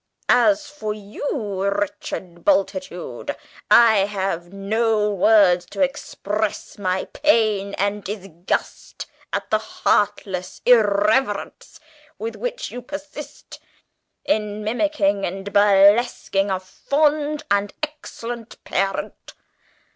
As for you, Richard Bultitude, I have no words to express my pain and disgust at the heartless irreverence with which you persist in mimicking and burlesquing a fond and excellent parent.